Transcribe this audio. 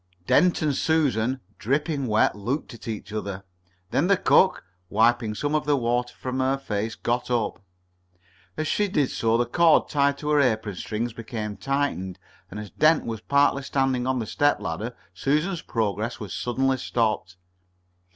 Dent and Susan, dripping wet, looked at each other. Then the cook, wiping some of the water from her face, got up. As she did so the cord tied to her apron strings became tightened, and as Dent was partly standing on the step ladder, Susan's progress was suddenly stopped.